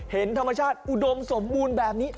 เห็นธรรมชาติอุดมสมบูรณ์แบบนี้